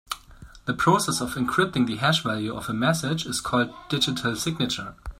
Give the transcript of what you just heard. The process of encrypting the hash value of a message is called digital signature.